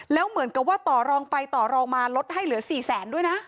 แล้วเหมือนกับว่าต่อรองไปต่อรองมาลดให้เหลือ๔แสนด้วยนะ